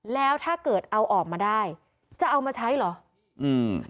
แล้วถ้าเกิดเอาออกมาได้จะเอามาใช้เหรออืม